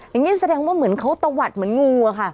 อย่างนี้แสดงว่าเหมือนเขาตะวัดเหมือนงูอะค่ะ